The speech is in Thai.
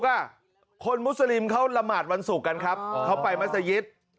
อ่ะคนมุสลิมเขาละหมาดวันศุกร์กันครับเขาไปมัศยิต